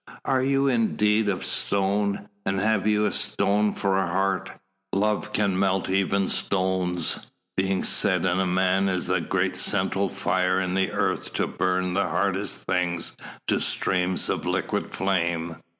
Are you indeed of stone, and have you a stone for a heart? Love can melt even stones, being set in man as the great central fire in the earth to burn the hardest things to streams of liquid flame!